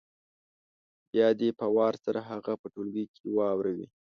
بیا دې په وار سره هغه په ټولګي کې واوروي